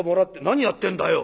「何やってんだよ！